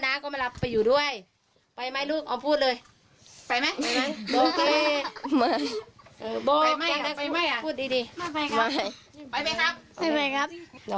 แยกได้รถบังคับครับ